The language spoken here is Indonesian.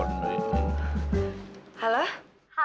nanti kami kekal